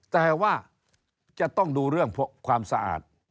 แต่ว่าจะต้องดูเรื่องความสะอาด